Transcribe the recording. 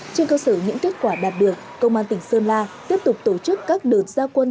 trên cơ sở những kết quả đạt được công an tỉnh sơn la tiếp tục tổ chức các đợt gia quân